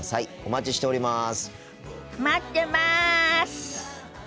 待ってます！